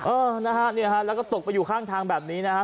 เออนะฮะเนี่ยฮะแล้วก็ตกไปอยู่ข้างทางแบบนี้นะฮะ